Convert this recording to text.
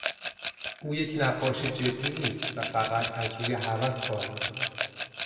او یک نقاش جدی نیست و فقط از روی هوس کار میکند.